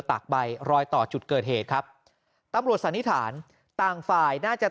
ตากใบรอยต่อจุดเกิดเหตุครับตำรวจสันนิษฐานต่างฝ่ายน่าจะ